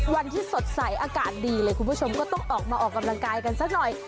วันที่สดใสอากาศดีเลยคุณผู้ชมก็ต้องออกมาออกกำลังกายกันสักหน่อย